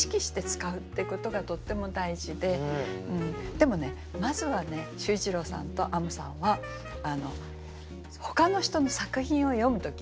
でもまずはね秀一郎さんとあむさんはほかの人の作品を読む時にね